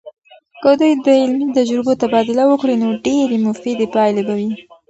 که دوی د علمي تجربو تبادله وکړي، نو ډیرې مفیدې پایلې به وي.